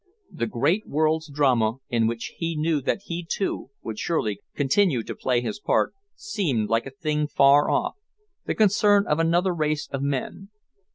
The great world's drama, in which he knew that he, too, would surely continue to play his part, seemed like a thing far off, the concern of another race of men.